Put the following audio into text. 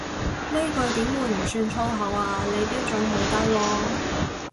呢句點會唔算粗口啊，你標準好低喎